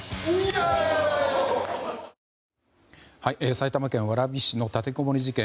埼玉県蕨市の立てこもり事件。